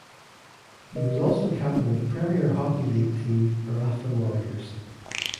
He was also captain of Premier Hockey League team Maratha Warriors.